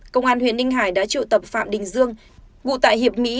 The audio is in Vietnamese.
công an huyện ninh hải đã trụ tập phạm đình dương ngụ tại hiệp mỹ